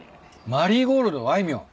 『マリーゴールド』あいみょん。